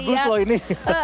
bagus loh ini